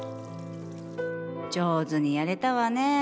上手にやれたわねえ。